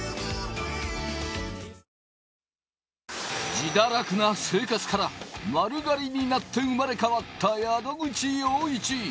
自堕落な生活から丸刈りになって生まれ変わった宿口陽一。